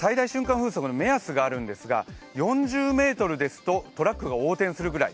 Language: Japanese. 風速の目安があるんですが、４０メートルですとトラックが横転するぐらい。